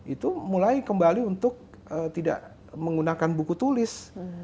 itu mulai kembali untuk tidak menggunakan buku tulis